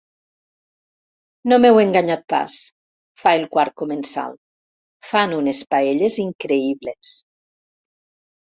No m'heu enganyat pas —fa el quart comensal—, fan unes paelles increïbles.